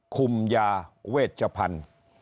คุมยาเวชภัณฑ์